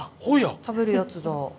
食べるやつだ。